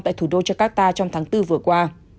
tại thủ đô jakarta trong tháng bốn vừa qua